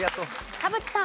田渕さん。